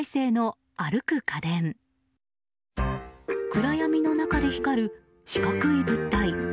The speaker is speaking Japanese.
暗闇の中で光る四角い物体。